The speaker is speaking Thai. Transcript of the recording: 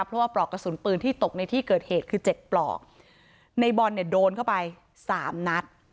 เพราะว่าปลอกกระสุนปืนที่ตกในที่เกิดเหตุคือเจ็ดปลอกในบอลเนี่ยโดนเข้าไปสามนัด